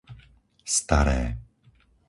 Staré